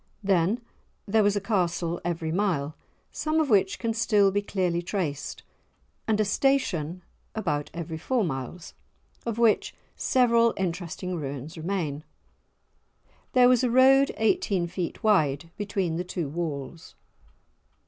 Then there was a castle every mile, some of which can still be clearly traced, and a "station," about every four miles, of which several interesting ruins remain. There was a road eighteen feet wide between the two walls.